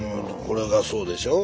これがそうでしょ？